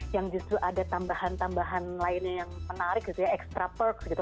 yang justru ada tambahan tambahan lainnya yang menarik gitu ya extra perks gitu